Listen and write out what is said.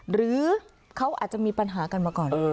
หรือเขาอาจจะมีปัญหากันมาก่อน